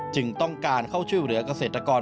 จึงต้องการเข้าช่วยเหลือกเกษตรกร